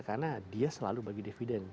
karena dia selalu bagi dividen